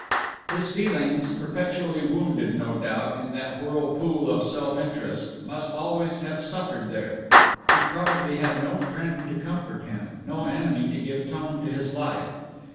His feelings, perpetually wounded no doubt in that whirlpool of self interest, must always have suffered there; he probably had no friend to comfort him, no enemy to give tone to this life.